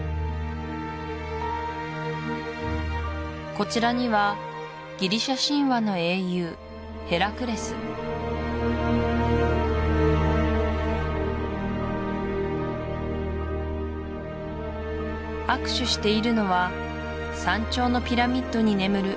こちらにはギリシア神話の英雄ヘラクレス握手しているのは山頂のピラミッドに眠る